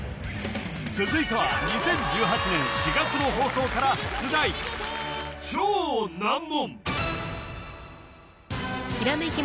続いては２０１８年４月の放送から出題超難問